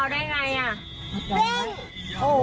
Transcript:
มาได้อย่างไรนะส่วนเธอว่านไหม